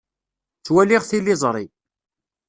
Ttwaliɣ tiliẓri.